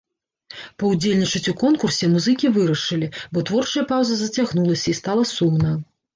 Паўдзельнічаць у конкурсе музыкі вырашылі, бо творчая паўза зацягнулася і стала сумна.